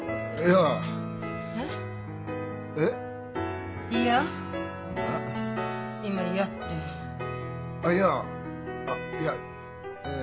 あっいやあいや。